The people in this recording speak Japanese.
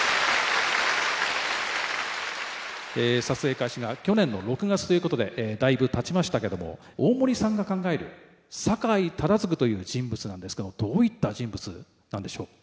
え撮影開始が去年の６月ということでだいぶたちましたけども大森さんが考える酒井忠次という人物なんですけどどういった人物なんでしょう？